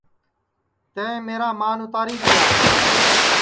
یوں میرا مان اُتاری دؔیا